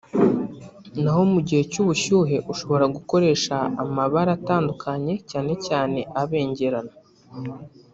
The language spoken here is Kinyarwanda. naho mu gihe cy’ubushyuhe ushobora gukoresha amabara atandukanye cyane cyane abengerana